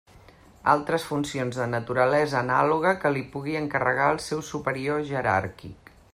Altres funcions de naturalesa anàloga que li pugui encarregar el seu superior jeràrquic.